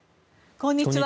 こんにちは。